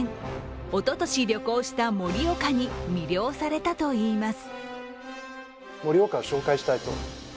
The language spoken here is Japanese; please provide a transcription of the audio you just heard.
おととし旅行した盛岡に魅了されたといいます。